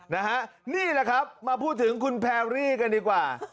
นี่แหละครับมาพูดถึงคุณแพรรี่กันดีกว่า